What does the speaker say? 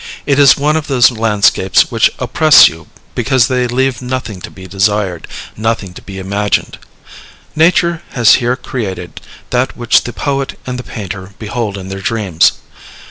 It is one of those landscapes which oppress you because they leave nothing to be desired, nothing to be imagined. Nature has here created that which the poet and the painter behold in their dreams.